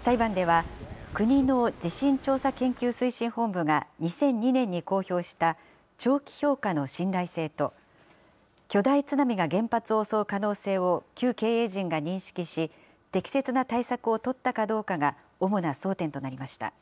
裁判では、国の地震調査研究推進本部が２００２年に公表した長期評価の信頼性と、巨大津波が原発を襲う可能性を旧経営陣が認識し、適切な対策を取ったかどうかが主な争点となりました。